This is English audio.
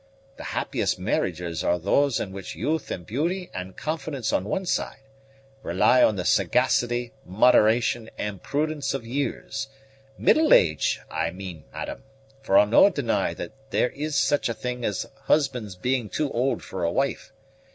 The happiest marriages are those in which youth and beauty and confidence on one side, rely on the sagacity, moderation, and prudence of years middle age, I mean, madam, for I'll no' deny that there is such a thing as a husband's being too old for a wife.